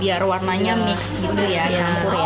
biar warnanya mix gitu ya campur ya